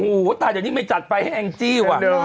อู๋ตอนนี้ไม่จัดไปให้แองจิกว่ะ